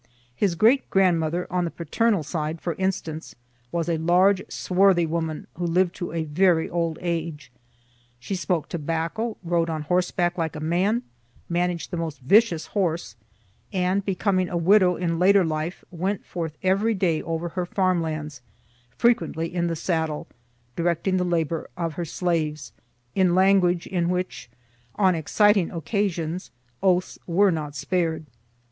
His great grandmother on the paternal side, for instance, was a large swarthy woman, who lived to a very old age. She smoked tobacco, rode on horseback like a man, managed the most vicious horse, and, becoming a widow in later life, went forth every day over her farm lands, frequently in the saddle, directing the labor of her slaves, in language in which, on exciting occasions, oaths were not spared.